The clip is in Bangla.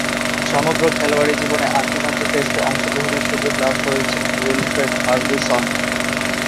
সমগ্র খেলোয়াড়ী জীবনে আটটিমাত্র টেস্টে অংশগ্রহণের সুযোগ লাভ করেছিলেন উইলফ্রেড ফার্গুসন।